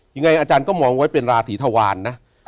ยังไงอาจารย์ก็มองไว้เป็นราศีธวารนะ